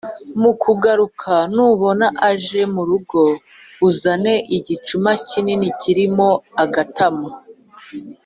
Mu kugaruka nubona aje mu rugo, uzane igicuma kinini kirimo agatama.